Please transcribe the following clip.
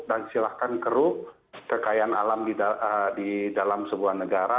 dan silahkan kerup kekayaan alam di dalam sebuah negara